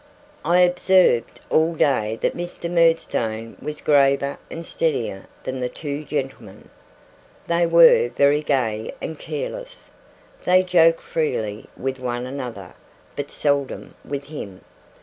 I observed all day that Mr. Murdstone was graver and steadier than the two gentlemen. They were very gay and careless. They joked freely with one another, but seldom with him.